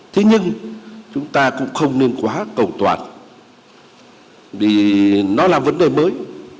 thế nhưng chúng ta cũng không nên quá cầu toàn vì nó là vấn đề mới